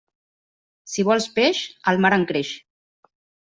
Si vols peix, al mar en creix.